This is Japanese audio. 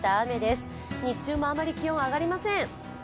日中もあまり気温が上がりません。